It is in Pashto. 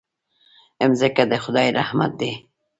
مځکه د خدای رحمت دی.